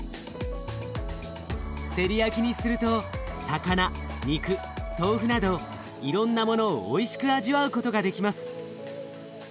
テリヤキにすると魚肉豆腐などいろんなものをおいしく味わうことができます。